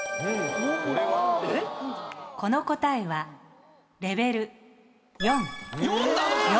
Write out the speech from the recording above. この答えはレベル４。